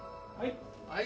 はい。